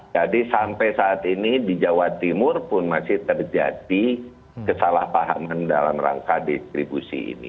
jadi sampai saat ini di jawa timur pun masih terjadi kesalahpahaman dalam rangka distribusi ini